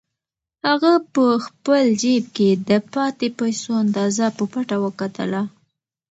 هغه په خپل جېب کې د پاتې پیسو اندازه په پټه وکتله.